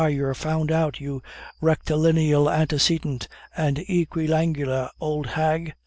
you're found out, you rectilineal antecedent, and equiangular old hag!